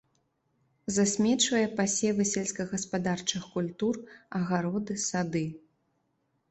Засмечвае пасевы сельскагаспадарчых культур, агароды, сады.